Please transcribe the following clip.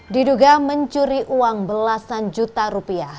diduga mencuri uang belasan juta rupiah